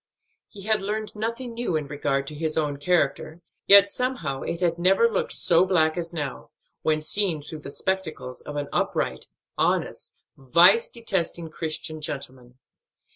He had learned nothing new in regard to his own character, yet somehow it had never looked so black as now, when seen through the spectacles of an upright, honest, vice detesting Christian gentleman.